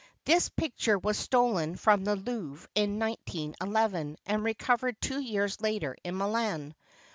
This pic ture was stolen from the Louvre in 191 1 and recovered two years later in Milan.